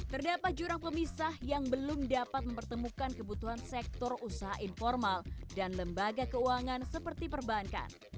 terdapat jurang pemisah yang belum dapat mempertemukan kebutuhan sektor usaha informal dan lembaga keuangan seperti perbankan